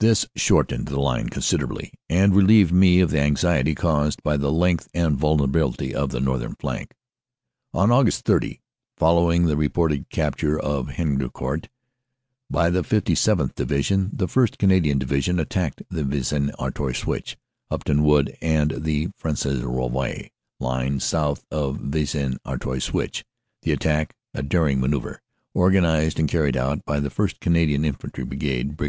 "This shortened the line considerably and relieved me of the anxiety caused by the length and vulnerability of the north ern flank. "On Aug. 30, following the reported capture of Hcnde court by the 57th. Division, the 1st. Canadian Division attacked the Vis en Artois Switch, Upton Wood and the Fresnes Rouv roy line, south of the Vis en Artois Switch. The attack, a daring manoeuvre organized and carried out by the 1st. Cana dian Infantry Brigade (Brig.